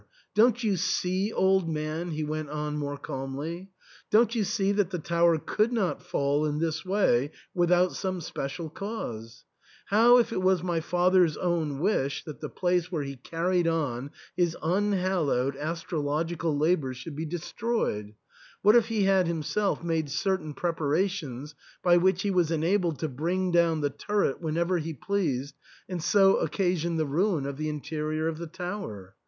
Don't you see, old man," he went on more calmly, " don't you see that the tower could not fall in this way without some spe cial cause ? How if it was my father's own wish that the place where he carried on his unhallowed astrolog ical labours should be destroyed — how if he had him self made certain preparations by which he was en abled to bring down the turret whenever he pleased and so occasion the ruin of the interior of the tower